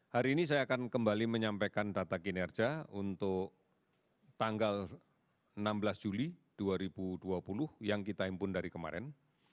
hari ini saya akan kembali menyampaikan data kinerja untuk tanggal enam belas juli dua ribu dua puluh yang kita impun dari kemarin